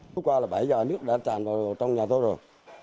lúc qua là bảy giờ nước đã chạy vào trong nhà tôi rồi